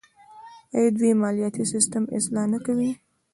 آیا دوی مالیاتي سیستم اصلاح نه کوي؟